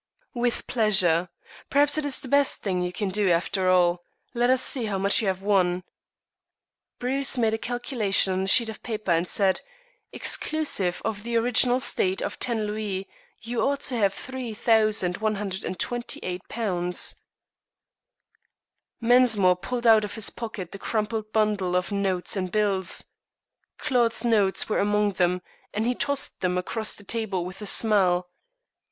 "With pleasure. Perhaps it is the best thing you can do, after all. Let us see how much you have won." Bruce made a calculation on a sheet of paper and said: "Exclusive of the original stake of ten louis you ought to have £3,128." Mensmore pulled out of his pocket the crumpled bundle of notes and bills. Claude's notes were among them, and he tossed them across the table with a smile.